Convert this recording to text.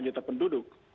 satu delapan juta penduduk